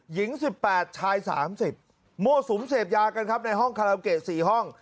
หญิง๑๘ชาย๓๐มั่วสุมเสพยากันครับในห้องคาราโอเกะ๔ห้อง